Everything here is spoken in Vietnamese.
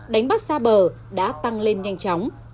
đánh bắt xa bờ đã tăng lên nhanh chóng